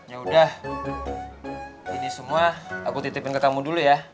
yaudah ini semua aku titipin ke kamu dulu ya